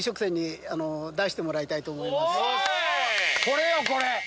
これよこれ！